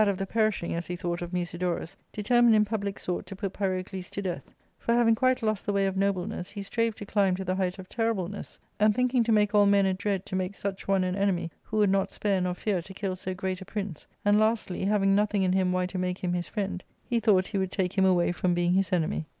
— Book IL of the perishing, as he thought, of Musidorus, determined in public sort to put Pyrocles to death ; for, having quite lost the way of nobleness, he strave to climb to the height of , terribleness, and, thinking to make all men adread* to make such one an enemy who would not spare nor fear to kill so great a prince, and, lastly, having nothing in him why to make him his friend, he thought he would take him away from being his enemy.